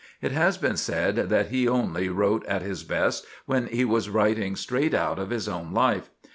It has been said that he only wrote at his best when he was writing straight out of his own life.